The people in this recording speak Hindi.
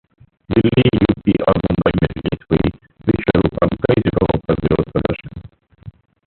दिल्ली, यूपी और मुंबई में रिलीज हुई 'विश्वरूपम', कुछ जगहों पर विरोध प्रदर्शन